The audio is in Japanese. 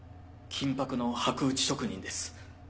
金箔の箔打ち職人です。